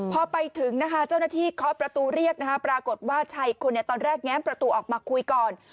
พอไปถึงนะคะเจ้าหน้าที่เคาะประตูเรียกนะคะปรากฏว่าชายอีกคนตอนแรกแง้มประตูออกมาคุยก่อน